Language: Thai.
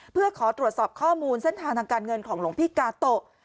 เพื่อขอตรวจสอบข้อมูลเส้นทางทางการเงินของหลวงพี่กาโตะ